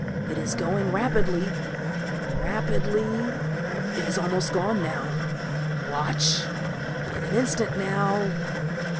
It is going rapidly ... rapidly ... it is almost gone now! Watch ... In an instant now